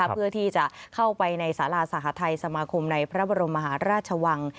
เพื่อที่จะเข้าไปในสาราสหทัยสมาคมในพระบรมมหาราชวัง